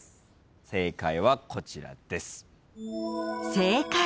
正解はこちらです。